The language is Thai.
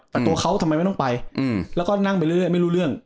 แต่ตัวเขาทำไมไม่ต้องไปแล้วก็นั่งไปเรื่อยไม่รู้เรื่อง